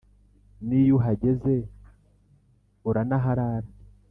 n' iyo uhageze uranaharara